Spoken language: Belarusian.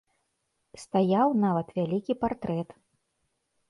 Стаяў нават вялікі партрэт.